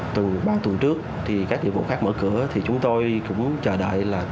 từ ba tuần trước các dịch vụ khác mở cửa thì chúng tôi cũng chờ đợi